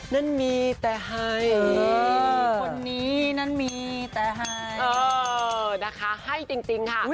นั้นมีแต่ให้คนนี้นั้นมีแต่ให้นะคะให้จริงค่ะ